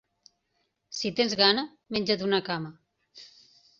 Si tens gana, menja't una cama.